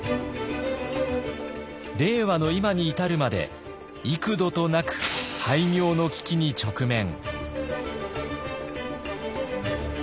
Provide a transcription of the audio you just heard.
令和の今に至るまで幾度となく廃業の危機に直面。